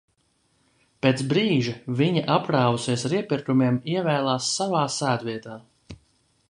Pēc brīža viņa, apkrāvusies ar iepirkumiem, ievēlās savā sēdvietā.